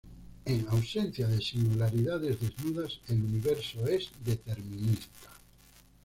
En ausencia de singularidades desnudas, el universo es determinista.